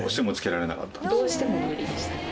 どうしても無理でしたね。